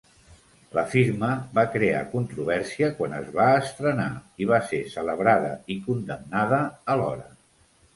"La firma" va crear controvèrsia quan es va estrenar, i va ser celebrada i condemnada alhora.